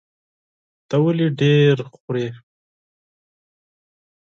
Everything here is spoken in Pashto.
ته ولي ډېر خوراک کوې؟